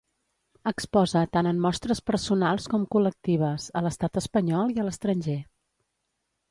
Exposa, tant en mostres personals com col·lectives, a l'Estat Espanyol i a l'estranger.